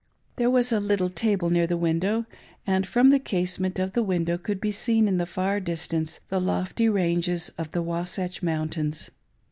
There was a little table near the window, and from the case ment of the window could be seen in the far distance the lofty ranges of the Wahsatch Mountains.